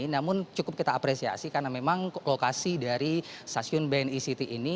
namun cukup kita apresiasi karena memang lokasi dari stasiun bni city ini